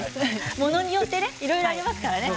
ものによっていろいろありますからね。